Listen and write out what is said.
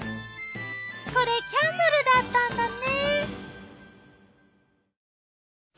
これキャンドルだったんだね。